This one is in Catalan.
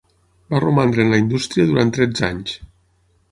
Va romandre en la indústria durant tretze anys.